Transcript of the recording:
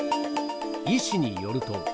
医師によると。